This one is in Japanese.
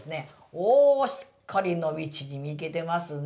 おおしっかり伸び縮みいけてますね。